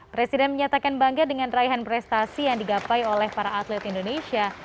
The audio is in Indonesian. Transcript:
presiden menyatakan bangga dengan raihan prestasi yang digapai oleh para atlet indonesia